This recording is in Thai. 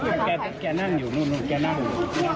อ่าโอ้ยขอโทษแกแกนั่งอยู่นู่นแกนั่งอยู่นู่น